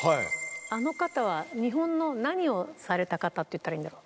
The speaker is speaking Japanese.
あの方は日本の何をされた方って言ったらいいんだろう？